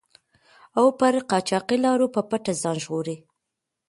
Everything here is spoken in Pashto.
او پر قاچاقي لارو په پټه ځان ژغوري.